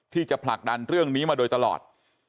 ที่จะผลักดันเรื่องนี้มาโดยตลอด